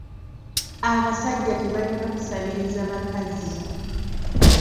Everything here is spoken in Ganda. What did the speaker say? Abasajja tebalina kusabiriza bakazi.